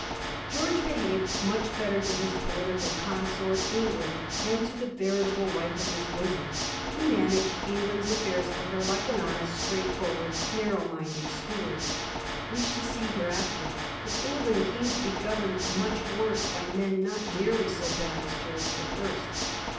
George behaved much better to his political consort, England, than to the veritable wife of his bosom. He managed England's affairs for her like an honest, straight forward, narrow minded steward. We shall see hereafter that England came to be governed much worse by men not nearly so bad as George the First.